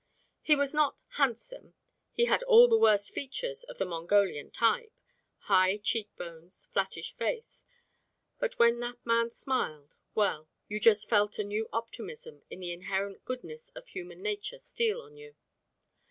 He was not handsome he had all the worst features of the Mongolian type high cheek bones, flattish face; but when that man smiled, well, you just felt a new optimism in the inherent goodness of human nature steal on you.